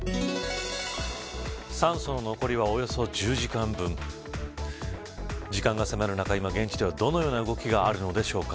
酸素の残りはおよそ１０時間分時間が迫る中、今現地ではどのような動きがあるのでしょうか。